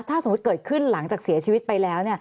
ถ้าสมมุติเกิดขึ้นหลังจากเสียชีวิตไปแล้ว